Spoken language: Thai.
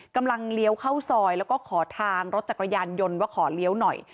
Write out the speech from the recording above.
เลี้ยวเข้าซอยแล้วก็ขอทางรถจักรยานยนต์ว่าขอเลี้ยวหน่อย